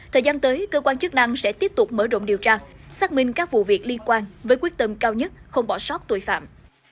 thời gian tới cơ quan chức năng sẽ tiếp tục mở rộng điều tra xác minh các vụ việc liên quan với quyết tâm cao nhất không bỏ sót tội phạm